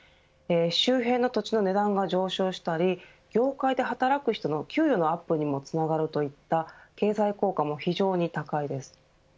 周辺の土地の値段が上昇したり業界で働く人の給与のアップにもつながるといった経済効果も非常に高いです。